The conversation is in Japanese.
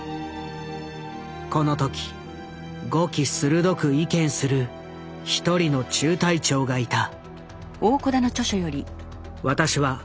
この時語気鋭く意見する一人の中隊長がいた。